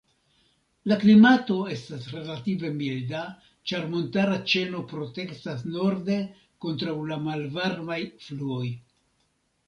La klimato estas relative milda, ĉar montara ĉeno protektas norde kontraŭ la malvarmaj fluoj.